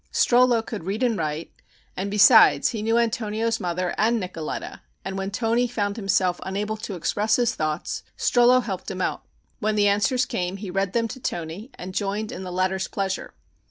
Strollo could read and write, and, besides, he knew Antonio's mother and Nicoletta, and when Toni found himself unable to express his thoughts Strollo helped him out. When the answers came he read them to Toni and joined in the latter's pleasure.